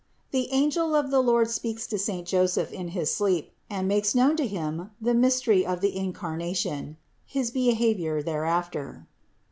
THE ANGEL OF THE LORD SPEAKS TO SAINT JOSEPH IN HIS SLEEP AND MAKES KNOWN TO HIM THE MYS TERY OF THE INCARNATION HIS BEHAVIOR THERE AFTER.